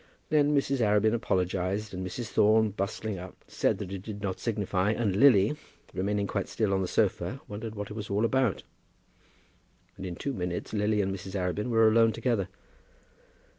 Then Mrs. Arabin apologized, and Mrs. Thorne, bustling up, said that it did not signify, and Lily, remaining quite still on the sofa, wondered what it was all about, and in two minutes Lily and Mrs. Arabin were alone together.